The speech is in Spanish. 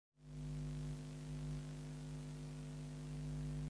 Se convirtió en entrenador y mentor tras su retirada.